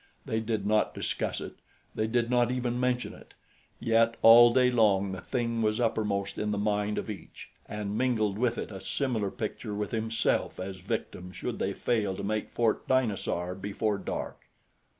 They did not discuss it they did not even mention it yet all day long the thing was uppermost in the mind of each and mingled with it a similar picture with himself as victim should they fail to make Fort Dinosaur before dark.